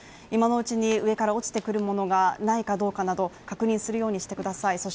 今のうちに上から落ちてくるものがないかどうかなど確認するようにしてください